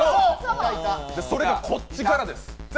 それがこっちからです。